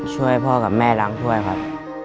ช่วยพ่อกับแม่ล้างถ้วยครับ